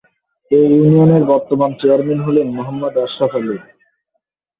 এ ইউনিয়নের বর্তমান চেয়ারম্যান হলেন মোহাম্মদ আশরাফ আলী।